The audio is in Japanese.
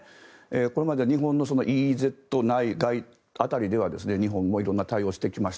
これまでに日本のＥＥＺ内辺りでは日本も色んな対応をしてきました。